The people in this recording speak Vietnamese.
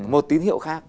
một tín hiệu khác